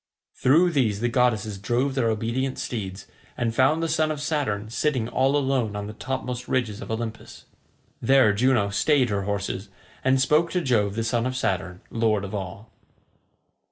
Through these the goddesses drove their obedient steeds, and found the son of Saturn sitting all alone on the topmost ridges of Olympus. There Juno stayed her horses, and spoke to Jove the son of Saturn, lord of all.